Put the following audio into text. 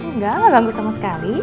enggak enggak ganggu sama sekali